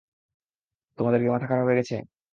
তোমাদের কি মাথা খারাপ হয়ে গেছে?